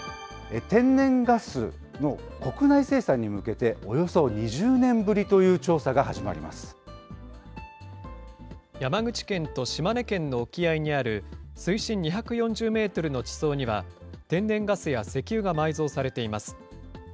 天然ガスの国内生産に向けて、およそ２０年ぶりという調査が始ま山口県と島根県の沖合にある、水深２４０メートルの地層には、天然ガスや石油が埋蔵されています。